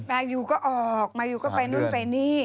มายูก็ออกมาอยู่ก็ไปนู่นไปนี่